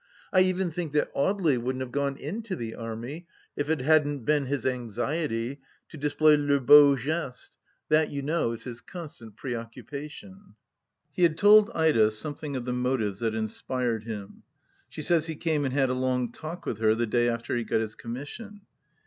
I even think that Audely wouldn't have gone into the Army if it hadn't been his anxiety to display fe beau geste. ... That you know is his constant pre occupation. He had told Ida something of the motives that inspired him. She says he came and had a long talk with her the day after he got his commission.